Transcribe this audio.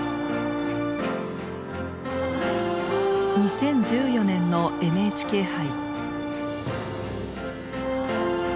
２０１４年のＮＨＫ杯。